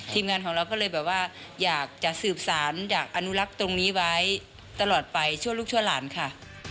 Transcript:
ทีมงานของเราก็เลยแบบว่าอยากจะสืบสารอยากอนุรักษ์ตรงนี้ไว้ตลอดไปชั่วลูกชั่วหลานค่ะ